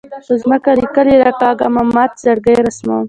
په ځمکه لیکې راکاږم او مات زړګۍ رسموم